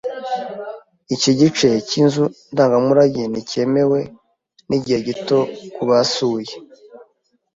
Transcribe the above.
Iki gice cyinzu ndangamurage nticyemewe nigihe gito kubasuye.